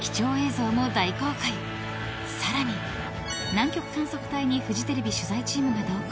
［南極観測隊にフジテレビ取材チームが同行］